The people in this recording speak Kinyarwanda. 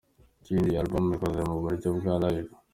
Ikindi iyi album ikozwe mu buryo bwa live”.